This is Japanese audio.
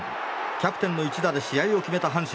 キャプテンの一打で試合を決めた阪神。